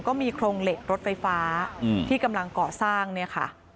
ก็มีโครงเหล็กรถไฟฟ้าที่กำลังก่อสร้างเนี่ยค่ะ